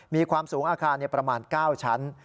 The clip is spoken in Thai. มีความสูงอาคารประมาณ๙ชั้น